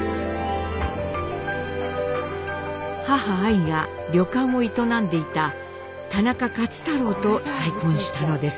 母アイが旅館を営んでいた田中勝太郎と再婚したのです。